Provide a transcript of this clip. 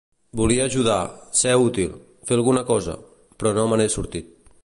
Volia ajudar, ser útil, fer alguna cosa, però no me n’he sortit.